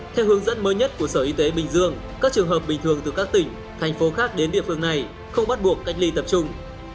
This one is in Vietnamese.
theo hướng dẫn mới nhất của sở y tế bình dương các trường hợp bình thường từ các tỉnh thành phố khác đến địa phương này không bắt buộc cách ly tập trung